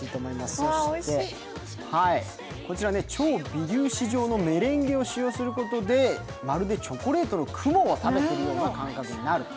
そしてこちら超微粒子状のカカオをかけることでまるでチョコレートの雲を食べているような感覚になると。